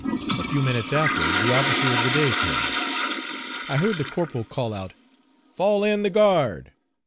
A few minutes after the officer of the day came. I heard the corporal call out, "Fall in the guard."